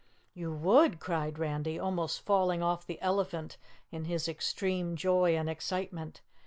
"You WOULD?" cried Randy, almost falling off the elephant in his extreme joy and excitement.